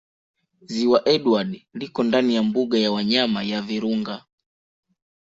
Ziwa Edward liko ndani ya Mbuga ya wanyama ya Virunga